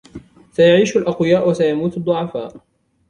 سيعيش الأقوياء و سيموت الضعفاء.